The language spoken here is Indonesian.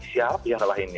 siapa pihak lain